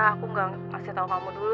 aku nggak ngasih tahu kamu dulu